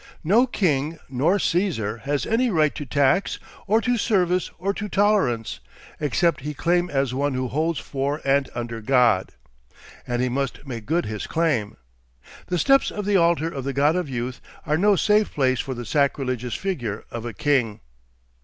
No king nor Caesar has any right to tax or to service or to tolerance, except he claim as one who holds for and under God. And he must make good his claim. The steps of the altar of the God of Youth are no safe place for the sacrilegious figure of a king.